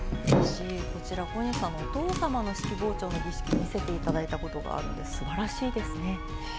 小西さんのお父様の式包丁の儀式見せていただいたことがあるんですが、すばらしいですね。